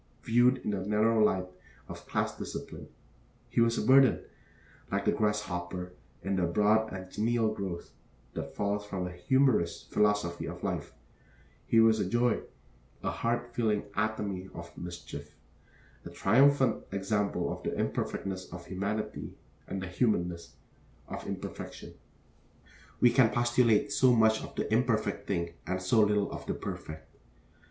Viewed in the narrow light of class discipline, he was a burden, like the grasshopper; in the broad and genial glow that falls from a humorous philosophy of life, he was a joy, a heart filling atomy of mischief, a triumphant example of the imperfectness of humanity and the humanness of imperfection. We can postulate so much of the imperfect thing and so little of the perfect.